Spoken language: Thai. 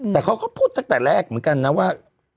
แต่เขาก็พูดตั้งแต่แรกเหมือนกันนะว่า